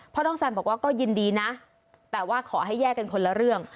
น้องแซนบอกว่าก็ยินดีนะแต่ว่าขอให้แยกกันคนละเรื่อง